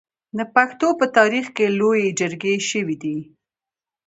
د پښتنو په تاریخ کې لویې جرګې شوي دي.